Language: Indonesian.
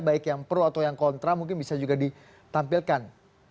baik yang pro atau yang kontra mungkin bisa juga ditampilkan